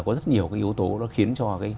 có rất nhiều cái yếu tố nó khiến cho